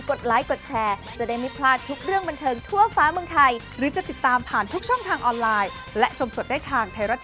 ข่าวต่อไปคุณผู้ชมนะคะ